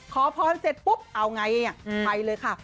ขอพรเสร็จปุ๊บเอาไงไปเลยค่ะ